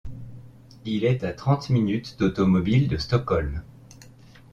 Il est à trente minutes d'automobile de Stockholm.